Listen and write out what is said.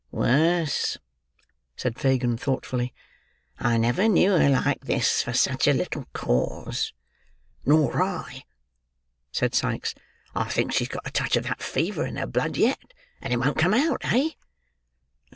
"Worse," said Fagin thoughtfully. "I never knew her like this, for such a little cause." "Nor I," said Sikes. "I think she's got a touch of that fever in her blood yet, and it won't come out—eh?"